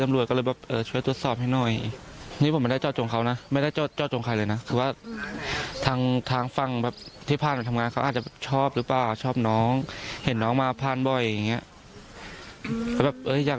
ทุกผู้ชมครับเราก็ไปที่บ้านของกุ้งมานะฮะ